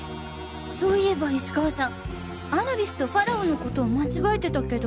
そういえば石川さんアヌビスとファラオのことを間違えてたけど。